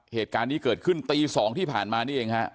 เหตุการณ์นี้เกิดขึ้นตี๒ที่ผ่านมานี่เองฮะ